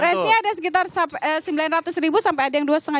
seperti punktar sembilan ratus sampai ada yang